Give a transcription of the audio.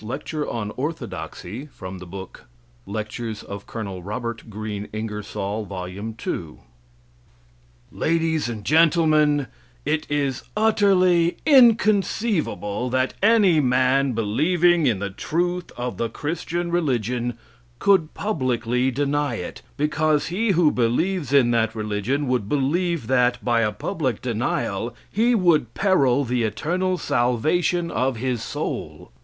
But come and take up thine abode with the children of men forever! Ingersoll's Lecture on "Orthodoxy" Ladies and Gentlemen: It is utterly inconceivable that any man believing in the truth of the Christian religion could publicly deny it, because he who believes in that religion would believe that, by a public denial, he would peril the eternal salvation of his soul.